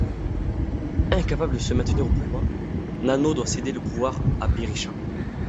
Incapable de se maintenir au pouvoir, Nano doit céder le pouvoir à Berisha.